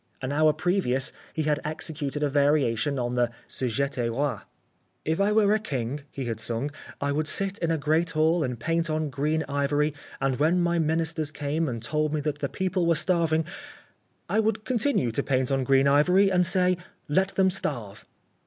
An hour previous he had executed a variation on the "Si j'├®tais roi." "If I were king," he had sung, "I would sit in a great hall and paint on green ivory and when my ministers came and told me that the people were starving, I would continue to paint on green ivory and say: 'Let them starve.'"